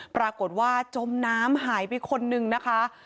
ปรากฏว่าจมน้ำหายไปคนนึงนะคะ